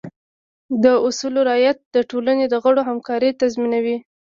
د اصولو رعایت د ټولنې د غړو همکارۍ تضمینوي.